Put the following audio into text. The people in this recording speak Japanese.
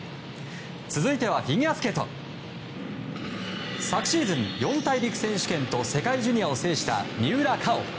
続いてはフィギュアスケート。昨シーズン、四大陸選手権と世界ジュニアを制した三浦佳生。